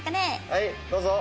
はいどうぞ。